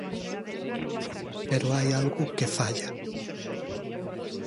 Pero hai algo que falla.